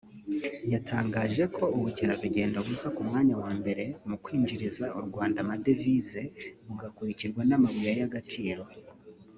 yatangaje ko ubukerarugendo buza ku mwanya wa mbere mu kwinjiriza u Rwanda amadevize bugakurikirwa n’amabuye y’agaciro